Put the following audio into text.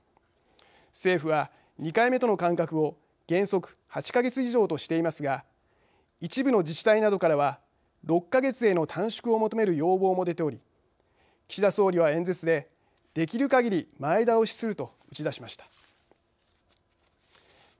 政府は、２回目との間隔を原則８か月以上としていますが一部の自治体などからは６か月への短縮を求める要望も出ており岸田総理は演説でできるかぎり前倒しすると打ち出しました。